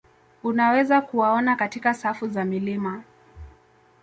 Unaweza kuwaona katika safu za milima